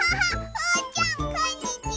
おうちゃんこんにちは！